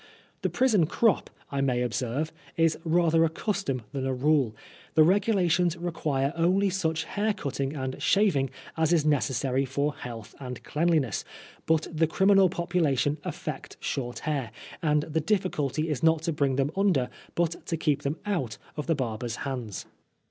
The prison crop, I may observe, is rather a custom than a rule; the regulations require only such hair cutting and shaving as is necessary for health and cleanliness, but the criminal population affect short hair, and the difficulty is not to bring them under, but to keep them, out of, the barber's hands.